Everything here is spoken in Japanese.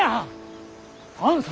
あんさん